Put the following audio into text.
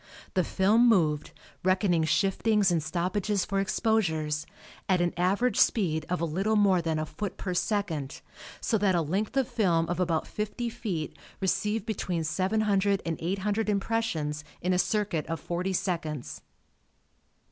The film moved, reckoning shiftings and stoppages for exposures, at an average speed of a little more than a foot per second, so that a length of film of about fifty feet received between 700 and 800 impressions in a circuit of 40 seconds.